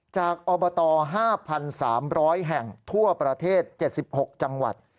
อบต๕๓๐๐แห่งทั่วประเทศ๗๖จังหวัด